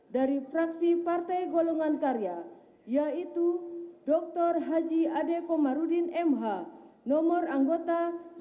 dari fraksi partai golongan karya yaitu dr haji ade komarudin mh nomor anggota dua ratus enam puluh dua